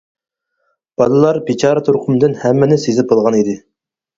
بالىلار بىچارە تۇرقۇمدىن ھەممىنى سىزىپ بولغان ئىدى.